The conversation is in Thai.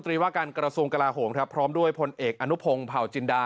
กรัฐมนตรีว่าการกรสวงศ์กราโฮงครับหรอกพรด้วยพรเอกอนุพงศ์เผาจินดา